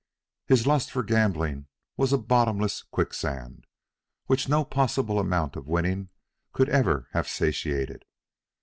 "His lust for gambling was a bottomless quicksand, which no possible amount of winning could ever have satiated.